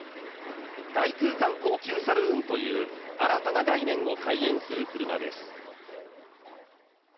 大空間高級サルーンという新たな概念を体現する車です。